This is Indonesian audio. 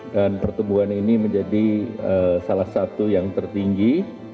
dan pertumbuhan ini menjadi salah satu yang tertinggi